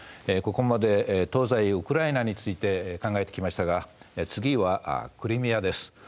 ここまで東西ウクライナについて考えてきましたが次はクリミアです。